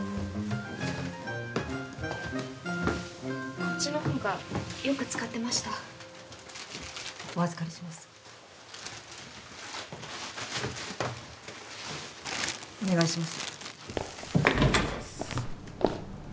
こっちのほうがよく使ってましたお預かりしますお願いします